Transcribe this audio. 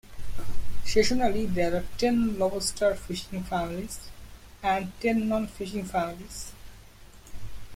Seasonally there are ten lobster-fishing families and ten non-fishing families.